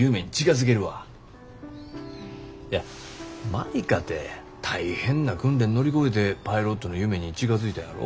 舞かて大変な訓練乗り越えてパイロットの夢に近づいたんやろ。